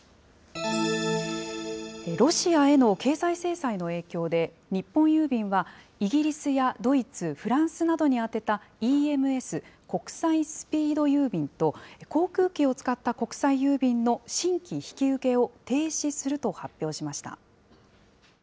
ロシアへの経済制裁の影響で、日本郵便はイギリスやドイツ、フランスなどに宛てたＥＭＳ・国際スピード郵便と、航空機を使った国際郵便の新規引き受けを停止すると発表しました。